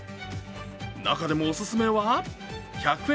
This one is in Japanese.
中でもオススメは１００円